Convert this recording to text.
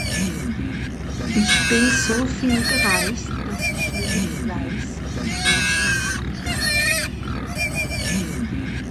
Isch bin so viel gereist, dass i nemme weiss, wo isch hingehöre